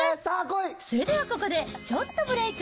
それではここで、ちょっとブレーク。